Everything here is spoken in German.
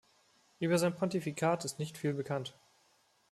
Über sein Pontifikat ist nicht viel bekannt.